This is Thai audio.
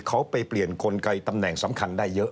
เขาไปเปลี่ยนกลไกตำแหน่งสำคัญได้เยอะ